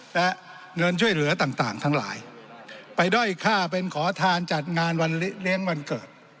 และเงินช่วยเหลือต่างทั้งหลายไปด้อยค่าเป็นขอทานจัดงานวันเลี้ยงวันเกิด